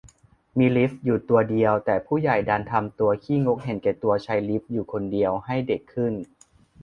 มีลิฟต์อยู่ตัวเดียว แต่ผู้ใหญ่ดันทำตัวขี้งกเห็นแก่ตัวใช้ลิฟต์อยู่คนเดียว ให้เด็กขึ้น